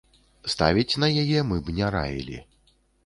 Ставіць на яе мы б не раілі.